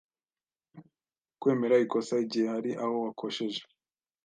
Kwemera ikosa igihe hari aho wakosheje